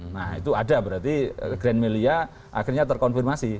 nah itu ada berarti grand melia akhirnya terkonfirmasi